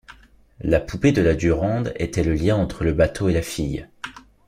La poupée de la Durande était le lien entre le bateau et la fille.